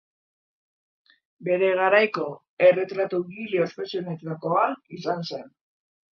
Bere garaiko erretratugile ospetsuenetakoa izan zen.